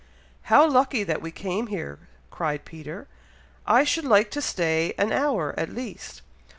"How lucky that we came here!" cried Peter. "I should like to stay an hour at least!"